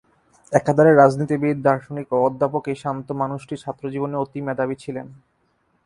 একাধারে রাজনীতিবিদ, দার্শনিক ও অধ্যাপক এই শান্ত মানুষটি ছাত্রজীবনে অতি মেধাবী ছিলেন।